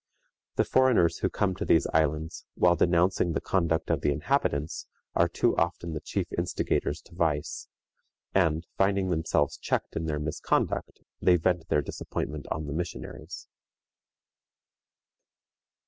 The foreigners who come to these islands, while denouncing the conduct of the inhabitants, are too often the chief instigators to vice, and, finding themselves checked in their misconduct, they vent their disappointment on the missionaries.